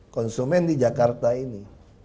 konsumen di jakarta ini